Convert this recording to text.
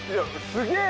すげえ。